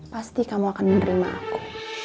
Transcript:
pasti kamu akan menerima aku